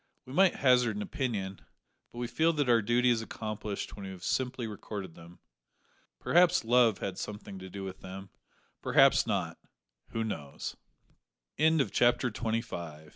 We might hazard an opinion, but we feel that our duty is accomplished when we have simply recorded them. Perhaps love had something to do with them perhaps not who knows? CHAPTER TWENTY SIX. WHAT DRINK WILL DO. Time passed